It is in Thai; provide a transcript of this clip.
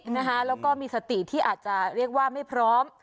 แล้วก็มีสติที่อาจจะเรียกว่าไม่พร้อม